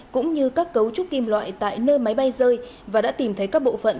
cũng như các cấu trúc kim loại tại nơi máy bay rơi và đã tìm thấy các bộ phận